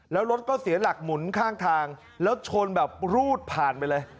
แล้วรถก็เสียหลักหมุนข้างทางแล้วชนแบบรูดผ่านไปเลย